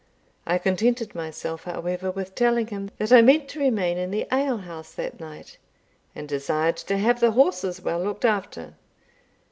I contented myself, however, with telling him, that I meant to remain in the alehouse that night, and desired to have the horses well looked after.